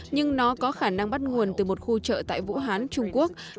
nhưng nó có khả năng bắt nguồn từ một khu chợ tại vũ hán trung quốc